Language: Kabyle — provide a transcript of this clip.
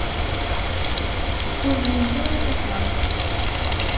Ur lint ara takeṛṛust.